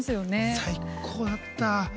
最高だった！